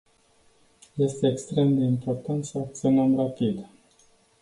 Este extrem de important să acționăm rapid.